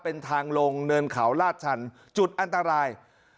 เป็นทางลงเนินเขาลาดชันจุดอันตราย